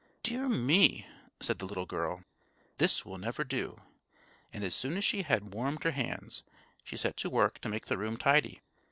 "Dear me!" said the little girl, "this will never do!" And as soon as she had warmed her hands, she set to work to make the room tidy.